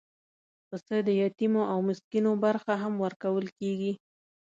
پسه د یتیمو او مسکینو برخه هم ورکول کېږي.